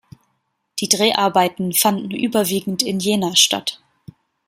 Die Dreharbeiten fanden überwiegend in Jena statt.